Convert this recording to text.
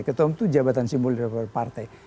ketentu jabatan simbol daripada partai